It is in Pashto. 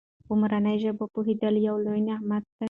په مورنۍ ژبه پوهېدل یو لوی نعمت دی.